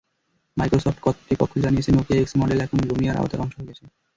Microsoft কর্তৃপক্ষ জানিয়েছে, Nokia X model এখন লুমিয়ার আওতার অংশ হয়ে গেছে।